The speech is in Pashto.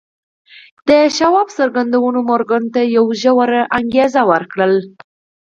د شواب څرګندونو مورګان ته یوه ژوره انګېزه ورکړه